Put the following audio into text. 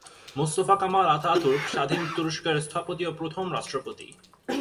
Mustafa Kemal Ataturk স্বাধীন তুরস্কের স্থপতি ও প্রথম রাষ্ট্রপতি।